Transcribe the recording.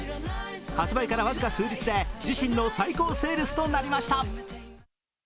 発売から僅か数日で自身の最高セールスとなりました。